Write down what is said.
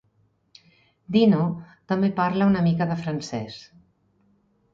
Dino també parla una mica de francès.